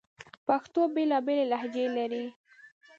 پښتو بیلابیلي لهجې لري